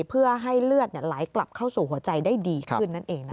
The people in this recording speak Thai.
เพื่อให้เลือดไหลกลับเข้าสู่หัวใจได้ดีขึ้นนั่นเองนะคะ